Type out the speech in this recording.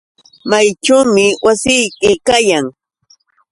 ¿Mayćhuumi wasiyki kayan?